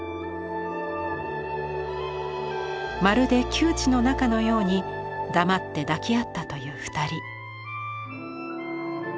まるで旧知の仲のように黙って抱き合ったという２人。